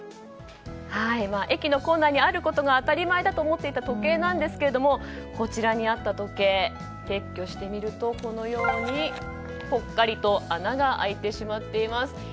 駅の構内にあることが当たり前だと思っていた時計なんですがこちらにあった時計撤去してみると、ぽっかりと穴が開いてしまっています。